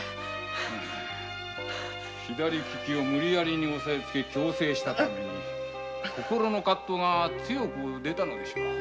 左利きを無理に抑えつけ矯正したために心の葛藤が強く出たのでしょう